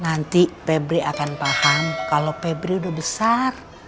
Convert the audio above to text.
nanti pebri akan paham kalau pebri udah besar